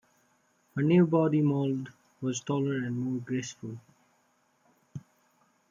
Her new body mold was taller and more graceful.